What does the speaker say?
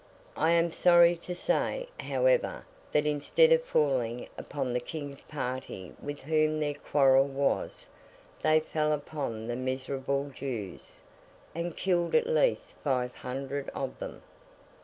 I am sorry to say, however, that instead of falling upon the King's party with whom their quarrel was, they fell upon the miserable Jews, and killed at least five hundred of them.